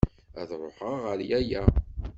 Ad ṛuḥeɣ ɣer yaya.